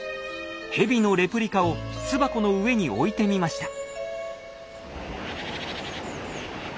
ヘビのレプリカを巣箱の上に置いてみました。